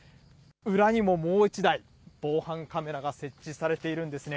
裏にももう１台、防犯カメラが設置されているんですね。